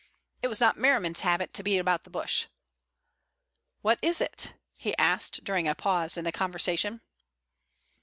It was not Merriman's habit to beat about the bush. "What is it?" he asked during a pause in the conversation.